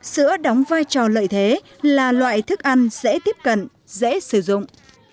sữa đóng vai trò lợi thế là loại thức ăn dễ tiếp cận dễ sử dụng